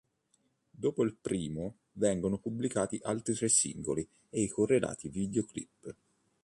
Dopo il primo vengono pubblicati altri tre singoli e i correlati videoclip.